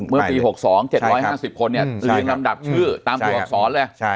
เมื่อปี๖๒๗๕๐คนเรียงลำดับชื่อตามตัวอักษรเลย